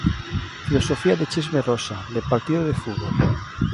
Filosofía de chisme rosa, de partido de fútbol.